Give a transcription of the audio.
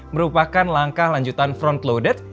merupakan langkah lanjutan front clouded